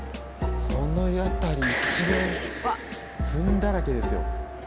この辺り一面フンだらけですよ。